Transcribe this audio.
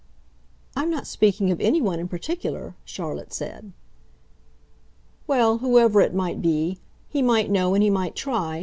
"I'm not speaking of anyone in particular," Charlotte said. "Well, whoever it might be. He might know and he might try.